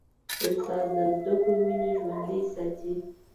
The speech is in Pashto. استاد د زدهکړو مینه ژوندۍ ساتي.